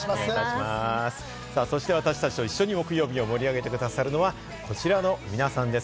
そして私たちと一緒に木曜日を盛り上げてくださるのがこちらの皆さんです。